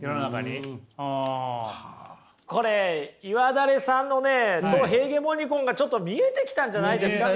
これ岩垂さんのねト・ヘーゲモニコンがちょっと見えてきたんじゃないですか？